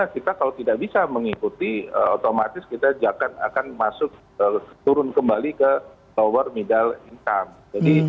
kita kalau tidak bisa mengikuti otomatis kita akan masuk turun kembali ke tower middle income